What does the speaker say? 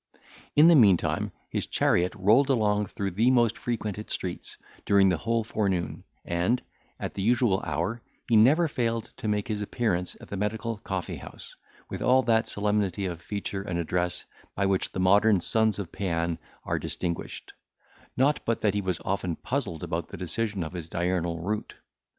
In the meantime his chariot rolled along through all the most frequented streets, during the whole forenoon, and, at the usual hour, he never failed to make his appearance at the medical coffee house, with all that solemnity of feature and address, by which the modern sons of Paean are distinguished; not but that he was often puzzled about the decision of his diurnal route.